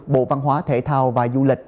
bộ văn hóa thể thao và du lịch